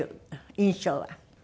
印象は。